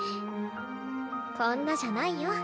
「こんな」じゃないよ。